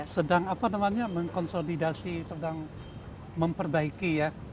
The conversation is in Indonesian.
sedang apa namanya mengkonsolidasi sedang memperbaiki ya